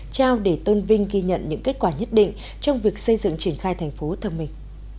trao để tôn vinh ghi nhận những kết quả nhất định trong việc xây dựng triển khai thành phố thông minh